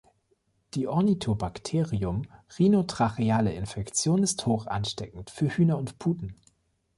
Die Ornithobacterium-rhinotracheale-Infektion ist hoch ansteckend für Hühner und Puten.